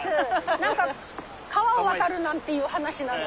何か川を渡るなんていう話なので。